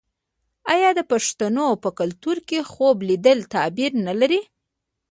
آیا د پښتنو په کلتور کې خوب لیدل تعبیر نلري؟